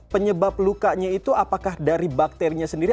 penyebab lukanya itu apakah dari bakterinya sendiri